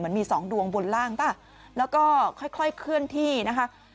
กับเหอมันมีสองดวงบนล่างแล้วก็ค่อยเคลื่อนที่นะคะ